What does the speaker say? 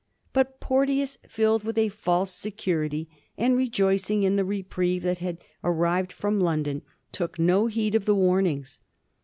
But Porteous, filled with a false security, and rejoicing in the reprieve that had arrived from London, took no heed of the warnings.